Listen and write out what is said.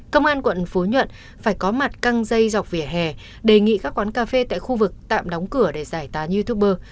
công an quận phú nhuận phải có mặt căng dây dọc vỉa hè đề nghị các quán cà phê tại khu vực tạm đóng cửa để giải tán youtuber